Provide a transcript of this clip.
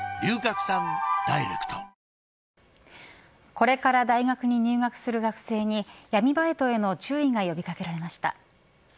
これから大学に入学する学生に闇バイトへの注意が呼び掛けられました。